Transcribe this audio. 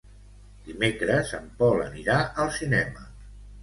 Dimecres en Pol anirà al cinema.